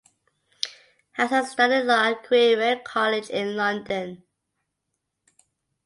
Hassan studied law at Queen Mary College in London.